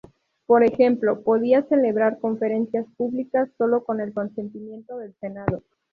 Por ejemplo, podía celebrar conferencias públicas sólo con el consentimiento del Senado.